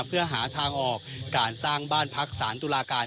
เพื่อหาทางออกการสร้างบ้านพักสารตุลาการ